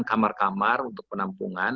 kamar kamar untuk penampungan